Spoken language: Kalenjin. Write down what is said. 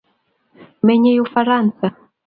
Menyei ufaransa